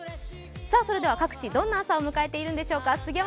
それでは各地、どんな朝を迎えているのでしょうか。